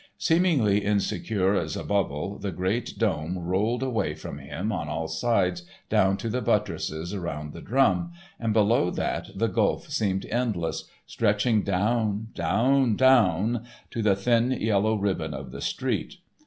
Seemingly insecure as a bubble, the great dome rolled away from him on all sides down to the buttresses around the drum, and below that the gulf seemed endless, stretching down, down, down, to the thin yellow ribbon of the street.